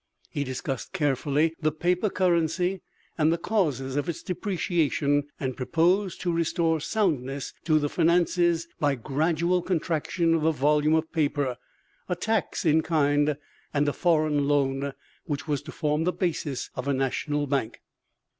He discussed carefully the paper currency and the causes of its depreciation, and proposed to restore soundness to the finances by gradual contraction of the volume of paper, a tax in kind, and a foreign loan, which was to form the basis of a national bank.